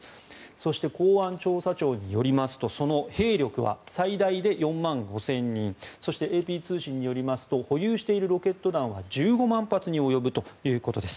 そして、公安調査庁によりますとその兵力は最大で４万５０００人そしてＡＰ通信によりますと保有しているロケット弾は１５万発に及ぶということです。